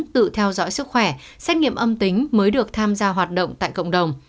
tự theo dõi sức khỏe xét nghiệm âm tính mới được tham gia hoạt động tại cộng đồng